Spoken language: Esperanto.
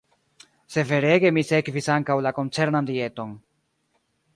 Severege mi sekvis ankaŭ la koncernan dieton.